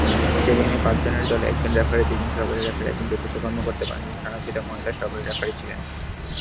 স্টেডিয়ামে পাঁচ জনের দলে একজন রেফারি, দুইজন সহকারী রেফারি, একজন চতুর্থ কর্মকর্তা এবং একজন সংরক্ষিত সহকারী রেফারি ছিলেন।